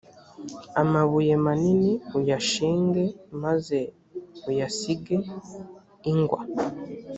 amabuye manini uyashinge, maze uyasige ingwa.